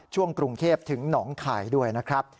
ช่วงกรุงเทพถึงหนองข่ายด้วยนะครับ